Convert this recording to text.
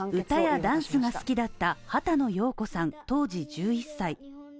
歌やダンスが好きだった波多野耀子さん、当時１１歳。